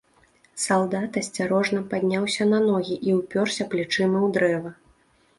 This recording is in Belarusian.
Салдат асцярожна падняўся на ногі і ўпёрся плячыма ў дрэва.